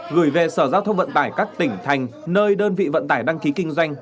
gửi về sở giao thông vận tải các tỉnh thành nơi đơn vị vận tải đăng ký kinh doanh